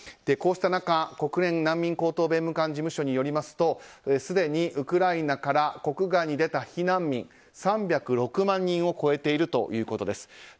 こうした中、国連難民高等弁務官事務所によりますとすでにウクライナから国外に出た避難民は３０６万人を超えているということです。